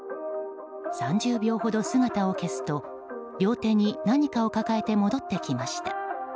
３０秒ほど姿を消すと両手に何かを抱えて戻ってきました。